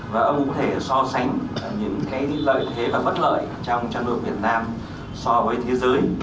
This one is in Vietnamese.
và ông có thể so sánh những cái lợi thế và bất lợi trong trao đổi việt nam so với thế giới